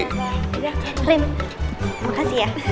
terima kasih ya